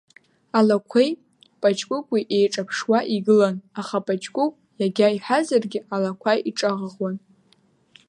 Алақәеи Паҷкәыкәи иеиҿаԥшуа игылан аха Паҷкәыкә иага иҳәазаргьы алақәа иҿаӷыӷуан.